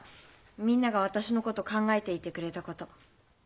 みんなが私のこと考えていてくれたこと本当にありがとう。